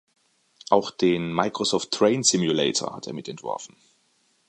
Auch den "Microsoft Train Simulator" hat er mit entworfen.